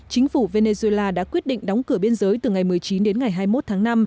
chính phủ venezuela đã quyết định đóng cửa biên giới từ ngày một mươi chín đến ngày hai mươi một tháng năm